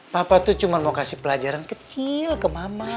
papa itu cuma mau kasih pelajaran kecil ke mama